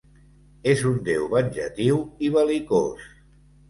És un déu venjatiu i bel·licós.